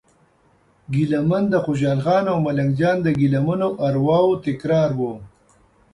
ګیله من د خوشال خان او ملنګ جان د ګیله منو ارواوو تکرار و.